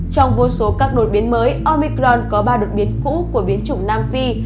trong vô số các đột biến mới omicron có ba đột biến cũ của biến chủng nam phi